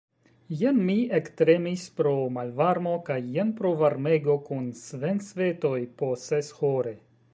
Jen mi ektremis pro malvarmo, kaj jen pro varmego kun svensvetoj, po seshore.